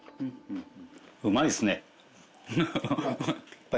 うまいですね。